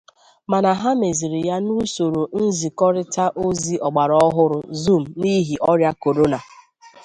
mana ha mezịrị ya n'usoro nzikọrịta ozi ọgbara ọhụrụ 'Zoom' n'ihi ọrịa korona